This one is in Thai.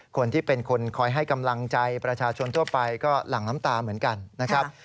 คนที่เป็นคนคอยให้กำลังใจประชาชนทั่วไปก็หลั่งน้ำตาเหมือนกันนะครับ